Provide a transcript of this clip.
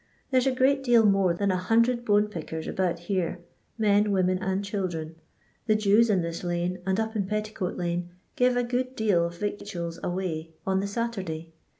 There 's a great deal more than a 100 bone pickers about here, men, women, and children. The Jews in this lane and up in Petti coatlane give a good deal of victuals away on the Saturday.